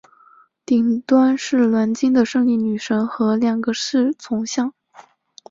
顶端是鎏金的胜利女神和两个侍从像。